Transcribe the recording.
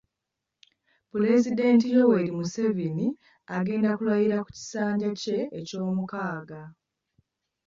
Pulezidenti Yoweri Museveni agenda kulayira ku kisanja kye eky'omukaaga.